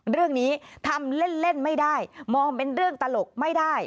เรื่องนี้ทำเล่นไม่ได้มองเป็นเรื่องตลกไม่ได้